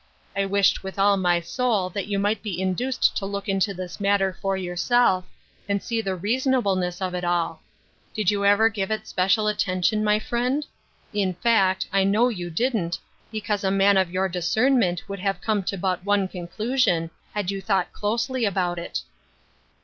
1 wished with all my sou) that you might be induced to look into this mat ter for yourself, and see the reasonableness of it all. Did you ever give it special attention, my £ 102 Ruth Er shine 8 Crosses. friend? In fact, I know you didn't, because a man of your discernment could have come to but one conclusion, had you thought closely about it."